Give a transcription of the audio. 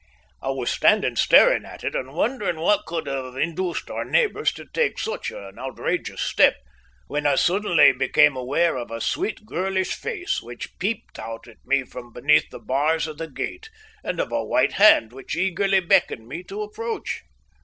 I was standing staring at it and wondering what could have induced our neighbours to take such an outrageous step, when I became suddenly aware of a sweet, girlish face which peeped out at me from between the bars of the gate, and of a white hand which eagerly beckoned me to approach.